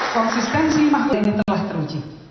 konsistensi mahlu ini telah teruji